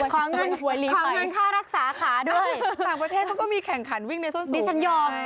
ขอเงินค่ารักษาขาด้วยต่างประเทศต้องมีแข่งขันวิ่งในส้นสูง